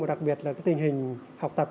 và đặc biệt là tình hình học tập